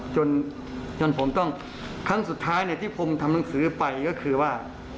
จนจนผมต้องครั้งสุดท้ายที่ผมทำหนังสือไปก็คือว่า